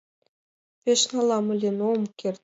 Пеш налам ыле, но ом керт.